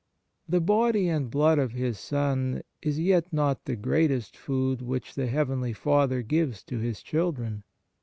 The Body and Blood of His Son is, yet, not the greatest food which the heavenly Father gives to His children.